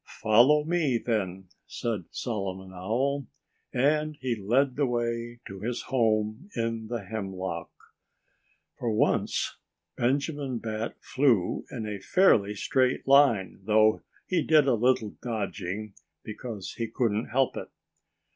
"Follow me, then!" said Solomon Owl. And he led the way to his home in the hemlock. For once, Benjamin Bat flew in a fairly straight line, though he did a little dodging, because he couldn't help it.